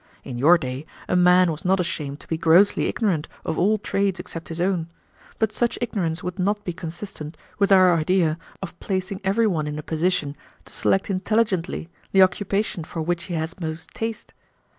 In your day a man was not ashamed to be grossly ignorant of all trades except his own, but such ignorance would not be consistent with our idea of placing every one in a position to select intelligently the occupation for which he has most taste.